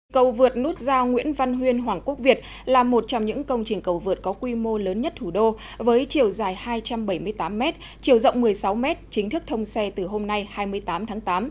cầu vượt nút giao nguyễn văn huyên hoàng quốc việt là một trong những công trình cầu vượt có quy mô lớn nhất thủ đô với chiều dài hai trăm bảy mươi tám m chiều rộng một mươi sáu m chính thức thông xe từ hôm nay hai mươi tám tháng tám